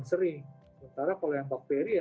penyebabnya adalah virus yang menyebabkan penyebabnya